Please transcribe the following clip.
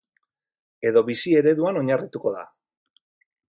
Edo bizi ereduan oinarrituko da.